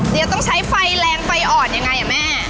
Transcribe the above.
เดี๋ยวต้องใช้ไฟแรงไฟอ่อนยังไงอ่ะแม่